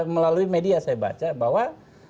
melalui media saya baca bahwa